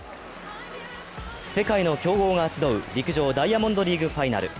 世界の強豪が集う陸上ダイヤモンドリーグファイナル。